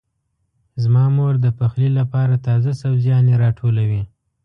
زما مور د پخلي لپاره تازه سبزيانې راټولوي.